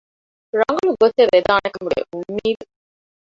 ރަނގަޅު ގޮތެއް ވެދާނެ ކަމުގެ އުންމީދު